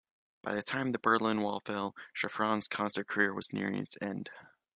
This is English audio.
By the time the Berlin Wall fell, Shafran's concert career was nearing its end.